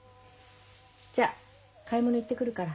じゃあ買い物行ってくるから。